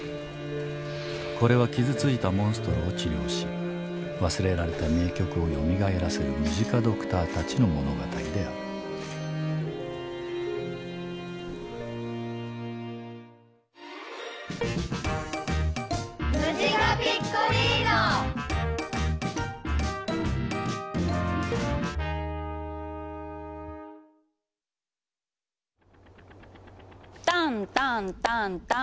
これは傷ついたモンストロを治療し忘れられた名曲をよみがえらせるムジカドクターたちの物語であるタンタンタンタン。